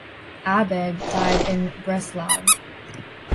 Abegg died in Breslau.